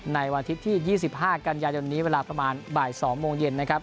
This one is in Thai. ในวันอาทิตย์ที่๒๕กันยายนนี้เวลาประมาณบ่าย๒โมงเย็นนะครับ